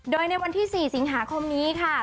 โดยในวันที่๔สิงหาคมนี้ค่ะ